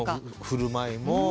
振る舞いも。